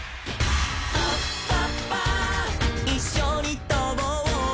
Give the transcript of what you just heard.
「いっしょにとぼう」